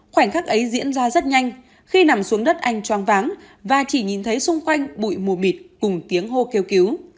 khoảnh khắc ấy diễn ra rất nhanh khi nằm xuống đất anh choáng váng và chỉ nhìn thấy xung quanh bụi mù mịt cùng tiếng hô kêu cứu